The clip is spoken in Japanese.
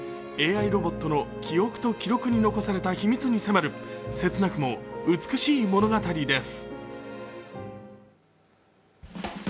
ＡＩロボットの記憶と記録に残された秘密に迫る切なくも美しい物語です。